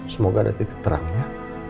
semoga ada titik terangnya